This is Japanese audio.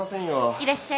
いらっしゃい。